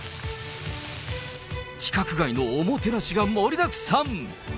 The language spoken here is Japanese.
規格外のおもてなしが盛りだくさん。